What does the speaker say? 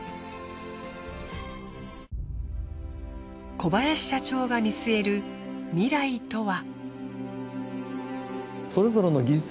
小林社長が見据える未来とは。